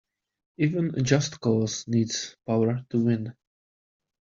Even a just cause needs power to win.